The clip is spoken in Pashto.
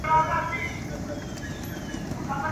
چي وائې ورې، ووايه، چي وې وينې، مه وايه.